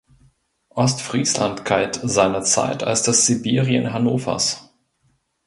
Ostfriesland galt seiner Zeit als das Sibirien Hannovers.